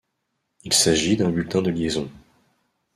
Il s'agit d'un bulletin de liaison.